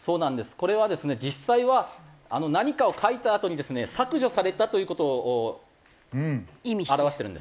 これはですね実際は何かを書いたあとに削除されたという事を表してるんですね。